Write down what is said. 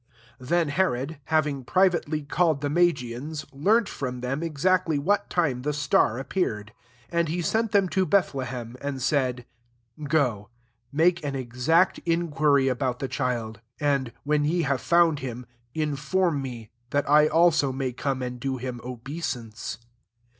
7 Then Herod having privately called the MH" gians, learnt from them exactly what time the star appea*'ed. 8 jind he sent them to Bethlehem^ and said, <* Go, make an exact inquiry about the child / etndj when ye have found him, inform me, that I also may C9me and do him obeisance.